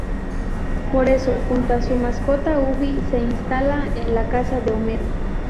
Por eso, junto a su mascota Ubi, se instala en la casa de Homero.